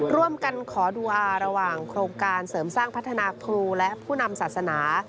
ร่วมกันขอดูอาระหว่างโครงการเสริมสร้างพัฒนาครูและผู้นำศาสนา